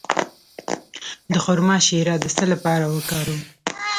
د خرما شیره د څه لپاره وکاروم؟